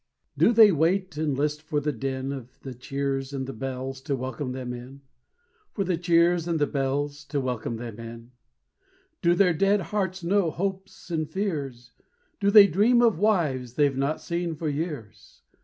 Do they wait, and list for the din Of the cheers and the bells to welcome them in For the cheers and the bells to welcome them in? Do their dead hearts know hopes and fears? Do they dream of the wives they've not seen for years?